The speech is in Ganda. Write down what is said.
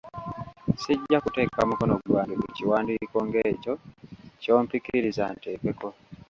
Sijja kuteeka mukono gwange ku kiwandiiko ng’ekyo ky'ompikiriza nteekeko.